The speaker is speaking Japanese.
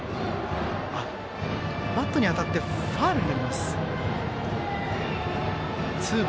バットに当たってファウルになります。